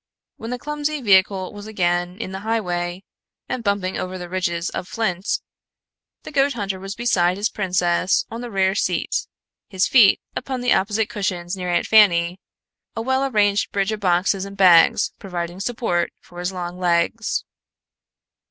When the clumsy vehicle was again in the highway and bumping over the ridges of flint, the goat hunter was beside his princess on the rear seat, his feet upon the opposite cushions near Aunt Fanny, a well arranged bridge of boxes and bags providing support for his long legs.